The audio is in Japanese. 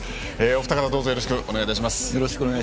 お二方どうぞよろしくお願いいたします。